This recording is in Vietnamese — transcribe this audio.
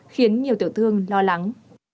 khiến nhiều tiểu thương lo lắng